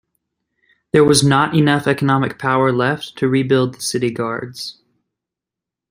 There was not enough economic power left to rebuild the city guards.